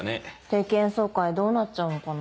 定期演奏会どうなっちゃうのかな。